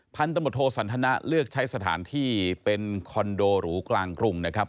พันตำรวจโทสันทนะเลือกใช้สถานที่เป็นคอนโดหรูกลางกรุงนะครับ